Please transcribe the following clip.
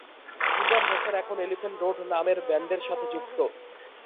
ইমরান হোসেন এখন Elephant Road নামের ব্যান্ডের সাথে যুক্ত।